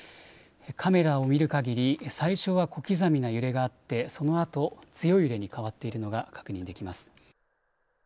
カメラを見るかぎり最初は小刻みな揺れがあってそのあと、強い揺れに変わっているのが確認できます。